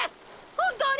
本当に！！